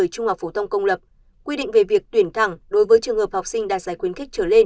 trung học phổ thông công lập quy định về việc tuyển thẳng đối với trường hợp học sinh đạt giải khuyến khích trở lên